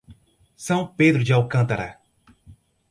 São Pedro de Alcântara